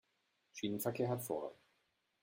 Schienenverkehr hat Vorrang.